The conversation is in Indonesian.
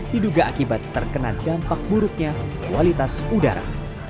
diduga akibat terkena dampak buruknya kualitas udara